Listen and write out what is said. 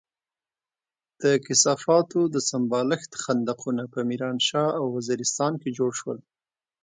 د کثافاتو د سمبالښت خندقونه په ميرانشاه او وزيرستان کې جوړ شول.